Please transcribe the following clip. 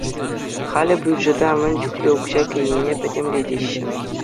Халӗ бюджета мӗн чухлӗ укҫа кӗнине пӗтӗмлетеҫҫӗ.